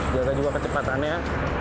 jaga juga kecepatannya